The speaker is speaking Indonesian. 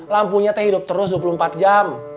lampunya teh hidup terus dua puluh empat jam